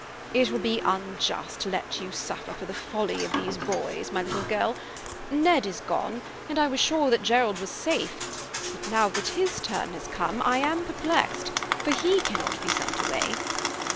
"It will be unjust to let you suffer for the folly of these boys, my little girl. Ned is gone, and I was sure that Gerald was safe; but now that his turn has come, I am perplexed, for he cannot be sent away."